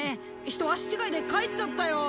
ひと足違いで帰っちゃったよ。